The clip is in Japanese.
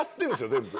全部。